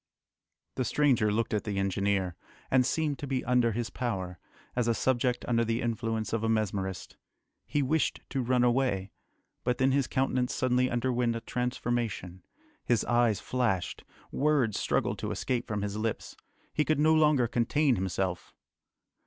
The stranger looked at the engineer, and seemed to be under his power, as a subject under the influence of a mesmerist. He wished to run away. But then his countenance suddenly underwent a transformation. His eyes flashed. Words struggled to escape from his lips. He could no longer contain himself!...